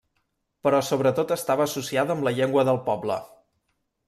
Però sobretot estava associada amb la llengua del poble.